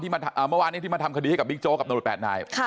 เมื่อวานที่มาทำคดีกับบิ๊กโจกับโนโลยิแปดนาย